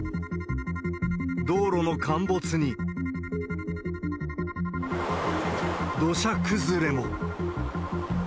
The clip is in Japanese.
道路の陥没に、土砂崩れも。